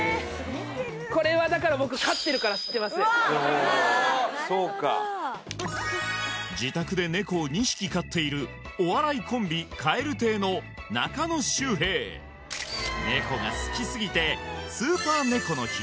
これはだから僕そうか自宅でネコを２匹飼っているお笑いコンビ蛙亭の中野周平ネコが好きすぎて「スーパー猫の日」